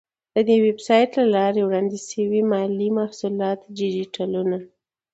د دې ویب پاڼې له لارې وړاندې شوي مالي محصولات ډیجیټلونه،